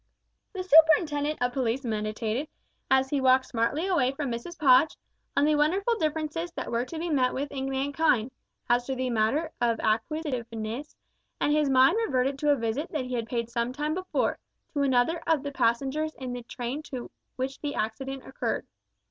The superintendent of police meditated, as he walked smartly away from Mrs Podge, on the wonderful differences that were to be met with in mankind, as to the matter of acquisitiveness, and his mind reverted to a visit he had paid some time before, to another of the passengers in the train to which the accident occurred.